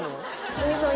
鷲見さん